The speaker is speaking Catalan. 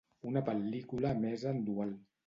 Una pel·lícula emesa en dual.